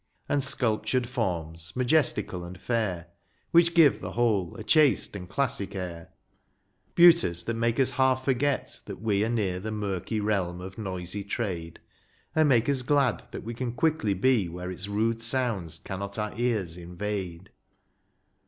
And sculptured forms, majestical and fair. Which give the whole a chaste and classic air ; Beauties that make us half forget that we Are near the murky realm of noisy trade, And make us glad that we can quickly be Where its rude sounds cannot our ears invade.